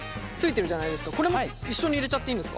これも一緒に入れちゃっていいんですか？